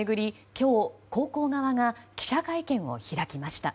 今日、高校側が記者会見を開きました。